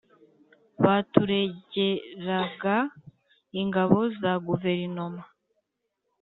baturegeraga ingabo za guverinoma